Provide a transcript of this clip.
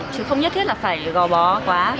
chứ không nhất thiết là phải gò bó quá